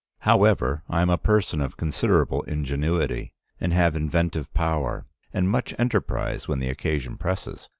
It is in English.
However, I am a person of considerable ingenuity, and have inventive power, and much enterprise when the occasion presses.